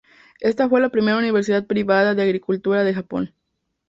Esta fue la primera universidad privada de Agricultura de Japón.